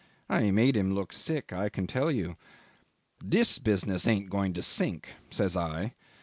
I made him look sick, I can tell you. 'This business ain't going to sink,' says I.